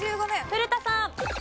古田さん。